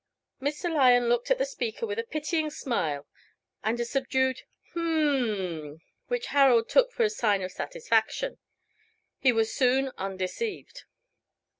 Mr. Lyon looked at the speaker with a pitying smile and a subdued "h'm m m," which Harold took for a sign of satisfaction. He was soon undeceived.